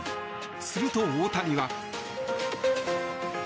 すると大谷は。